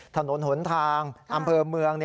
ถนนหนทางอำเภอเมือง